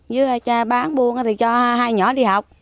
giữa hai cha bán buôn thì cho hai nhỏ đi học